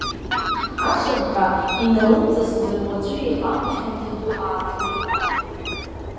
Ашырҳәа иналымҵасыз руаӡәы иҟама хьанҭа ду ааҭылԥааит.